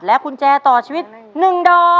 และคุณแจต่อชีวิตหนึ่งดอก